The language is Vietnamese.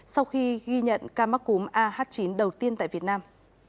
sau khi ghi nhận ca mắc cúm ah chín đầu tiên tại việt nam